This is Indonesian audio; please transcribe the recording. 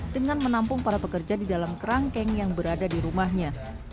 dengan menampung para pekerja di dalam kerangkeng yang berada di rumahnya